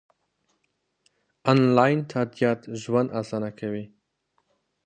انلاین تادیات ژوند اسانه کوي.